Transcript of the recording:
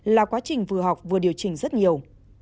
là quá trình vừa học vừa điều chỉnh rất nhiều